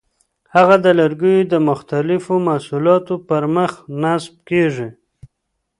هغه د لرګیو د مختلفو محصولاتو پر مخ نصب کېږي.